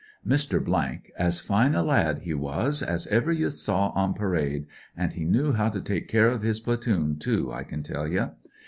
Mr, , as fine a lad he was as ever ye saw on p'rade, an* he knew how to take care of his platoon, too, I can tell ye.